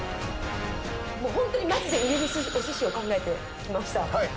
もう本当にマジで売れるお寿司を考えてきました。